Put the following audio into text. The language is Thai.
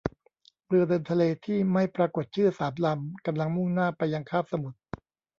เรือเดินทะเลที่ไม่ปรากฏชื่อสามลำกำลังมุ่งหน้าไปยังคาบสมุทร